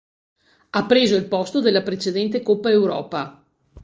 Ha preso il posto della precedente Coppa Europa.